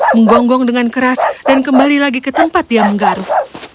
menggonggong dengan keras dan kembali lagi ke tempat dia menggaruk